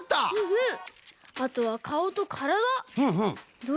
うん。